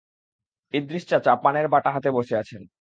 ইদরিস চাচা পানের বাটা হাতে বসে আছেন।